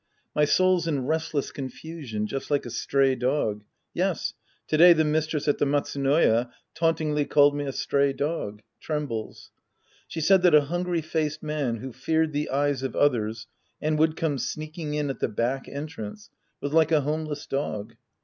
My soul's in restless confusion just like a stray dog. Yes, to day the mistress at the Matsu noya tauntingly called me a stray dog. (Trembles.) She said that a hungry faced man who feared the eyes of others and would come sneaking in at the back entrance was like a homeless dog.